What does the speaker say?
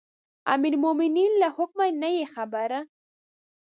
امیرالمؤمنین له حکمه نه یې خبره.